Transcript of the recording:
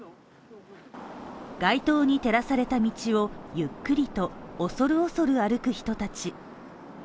街灯に照らされた道をゆっくりと恐れをそそる歩く人たち。